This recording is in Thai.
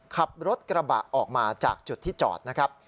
ขับรถกระบะออกมาจากจุดที่จอดนะครับ